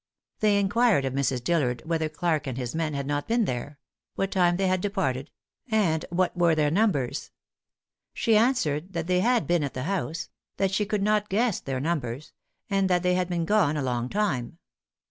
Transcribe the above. They inquired of Mrs. Dillard whether Clarke and his men had not been there; what time they had departed; and what were their numbers? She answered that they had been at the house; that she could not guess their numbers; and that they had been gone a long time.